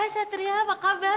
hai satria apa kabar